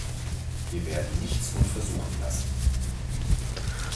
Wir werden nichts unversucht lassen.